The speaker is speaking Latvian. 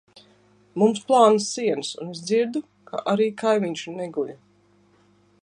Mums plānas sienas un es dzirdu, ka arī kaimiņš neguļ.